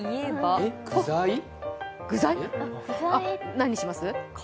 何にします？